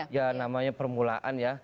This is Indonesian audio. ya namanya permulaan ya